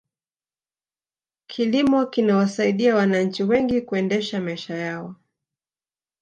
kilimo kinawasaidia wananchi wengi kuendesha maisha yao